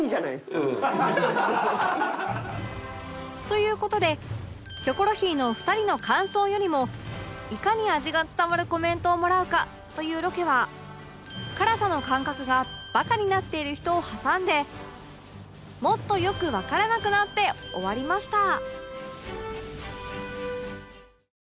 という事で『キョコロヒー』のお二人の感想よりもいかに味が伝わるコメントをもらうかというロケは辛さの感覚がバカになっている人を挟んでもっとよくわからなくなって終わりました